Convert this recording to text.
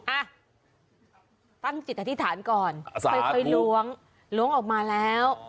อ่ะตั้งจิตอธิษฐานก่อนค่อยล้วงล้วงออกมาแล้ว